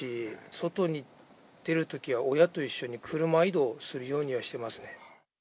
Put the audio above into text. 外に出るときは、親と一緒に車移動するようにはしてますね。